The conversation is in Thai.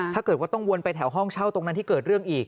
ถ้าเกิดว่าต้องวนไปแถวห้องเช่าตรงนั้นที่เกิดเรื่องอีก